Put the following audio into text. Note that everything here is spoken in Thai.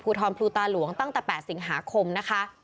ภูทรพลูตาหลวงตั้งแต่๘สิงหาคมนะคะ